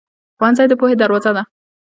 ښوونځی د پوهې دروازه ده.